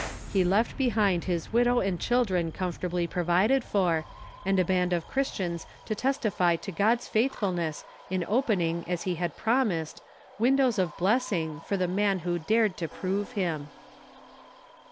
He left behind his widow and children comfortably provided for, and a band of Christians to testify to God's faithfulness in opening as He had promised "windows of blessing" for the man who dared to "prove" Him.